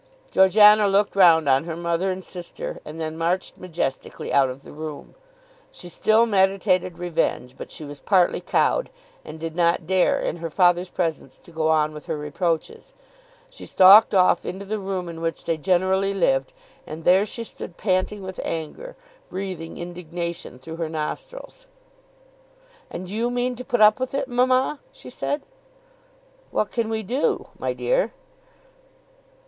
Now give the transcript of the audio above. Georgiana looked round on her mother and sister and then marched majestically out of the room. She still meditated revenge, but she was partly cowed, and did not dare in her father's presence to go on with her reproaches. She stalked off into the room in which they generally lived, and there she stood panting with anger, breathing indignation through her nostrils. [Illustration: She marched majestically out of the room.] "And you mean to put up with it, mamma?" she said. "What can we do, my dear?"